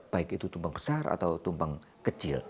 baik itu tumpeng besar atau tumpeng kecil